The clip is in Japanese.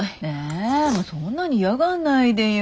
そんなに嫌がんないでよ。